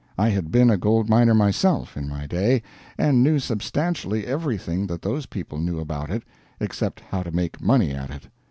I had been a gold miner myself, in my day, and knew substantially everything that those people knew about it, except how to make money at it.